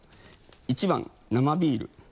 １番生ビール。